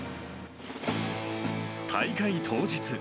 大会当日。